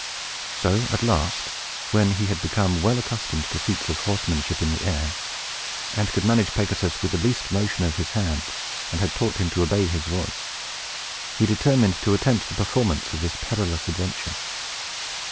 So, at last, when he had become well accustomed to feats of horsemanship in the air, and could manage Pegasus with the least motion of his hand, and had taught him to obey his voice, he determined to attempt the performance of this perilous adventure.